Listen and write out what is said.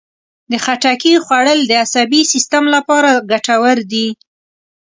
د خټکي خوړل د عصبي سیستم لپاره ګټور دي.